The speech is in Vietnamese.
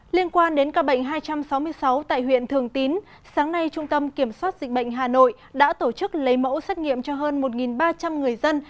liên quan đến ca bệnh hai trăm sáu mươi sáu tại huyện thường tín sáng nay trung tâm kiểm soát dịch bệnh hà nội đã tổ chức lấy mẫu xét nghiệm cho hơn một ba trăm linh người dân